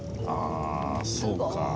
ああそうか。